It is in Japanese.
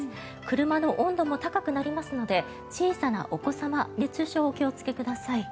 車の温度も高くなりますので小さなお子様熱中症にお気をつけください。